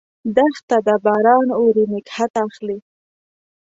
دښته ده ، باران اوري، نګهت اخلي